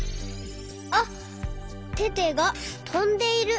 あっテテがとんでいる。